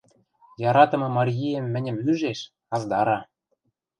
яратымы Марйиэм мӹньӹм ӱжеш, аздара.